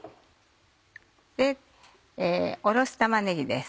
おろし玉ねぎです。